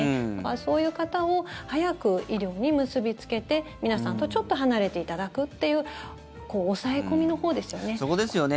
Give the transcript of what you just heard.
そういう方を早く医療に結びつけて皆さんとちょっと離れていただくっていうそこですよね。